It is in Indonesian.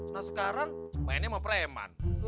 nah sekarang mainnya mau preman